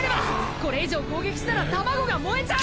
これ以上攻撃したら卵が燃えちゃう！